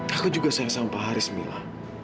aku juga sayang sama pak haris milla